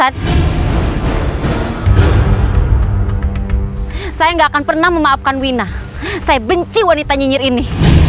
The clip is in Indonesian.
hai saya enggak akan pernah memaafkan wina saya benci wanita nyinyir ini